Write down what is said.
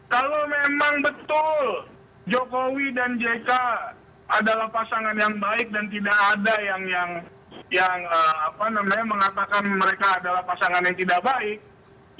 kalau memang betul jokowi dan jk adalah pasangan yang baik dan tidak ada yang mengatakan mereka adalah pasangan yang tidak baik